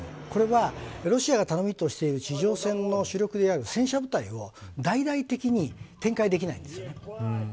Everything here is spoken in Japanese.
これは、ロシアが頼みとしている地上戦の主力である戦車部隊を大々的に展開できないんです。